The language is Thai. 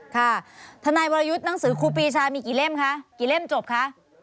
ค่ะทนายวรยุทธ์หนังสือครูปีชามีกี่เล่มคะกี่เล่มจบคะ